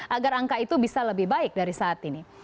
agar angka itu bisa lebih baik dari saat ini